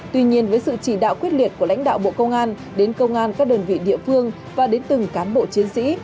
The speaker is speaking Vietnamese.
tuy nhiên với sự chỉ đạo quyết liệt của lãnh đạo bộ công an đến công an các đơn vị địa phương và đến từng cán bộ chiến sĩ